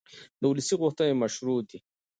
د ولس غوښتنې مشروع دي